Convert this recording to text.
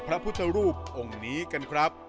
พระพุทธรูปองค์นี้กันครับ